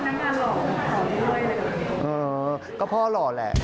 มีคนชื่อผมว่าพนักงานหล่อหล่อเมื่อยเลย